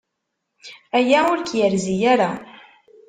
Aya ur k-yerzi ara.